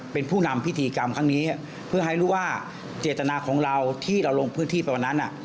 เพื่อให้รู้ว่าเจฤตนาของเราที่เราลงพื้นที่ไปวันนั้น